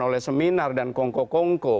oleh seminar dan kongko kongko